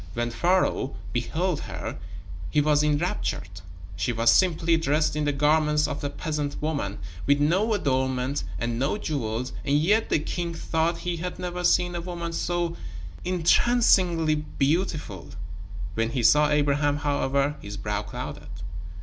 When Pharaoh beheld her, he was enraptured. She was simply dressed in the garments of a peasant woman, with no adornment and no jewels, and yet the king thought he had never seen a woman so entrancingly beautiful. When he saw Abraham, however, his brow clouded.